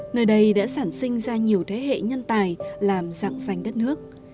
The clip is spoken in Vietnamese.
nơi đây đã sản sinh ra nhiều thế hệ nhân tài làm dạng danh đất nước